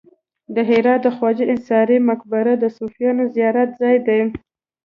د هرات د خواجه انصاري مقبره د صوفیانو زیارت ځای دی